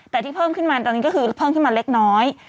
แต่ที่เพิ่มขึ้นมาตอนนี้ก็คือเพิ่มขึ้นมาเล็กน้อย